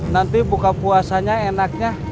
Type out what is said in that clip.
nanti buka puasanya enaknya